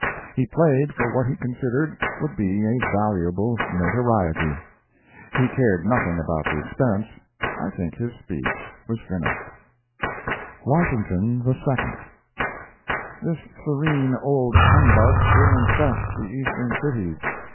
He played for what he considered would be a valuable notoriety. He cared nothing about the expense. I think his speech was finished. Washington II. This serene old humbug still infests the Eastern cities.